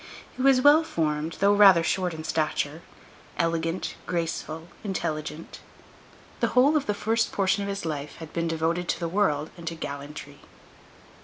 He was well formed, though rather short in stature, elegant, graceful, intelligent; the whole of the first portion of his life had been devoted to the world and to gallantry.